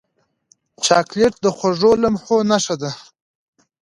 چاکلېټ د خوږو لمحو نښه ده.